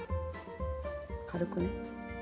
軽くね。